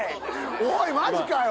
おいマジかよ！